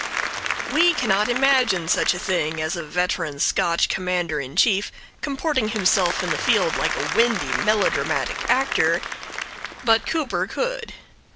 We cannot imagine such a thing as a veteran Scotch Commander in Chief comporting himself in the field like a windy melodramatic actor, but Cooper could.